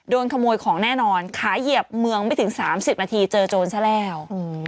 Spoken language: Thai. โดนขโมยของแน่นอนขายเหยียบเมืองไม่ถึง๓๐นาทีเจอโจรซะแล้ว